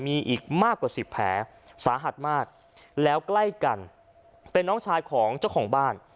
มีอีกมากกว่าสิบแผลสาหัสมากแล้วใกล้กันเป็นน้องชายของเจ้าของบ้าน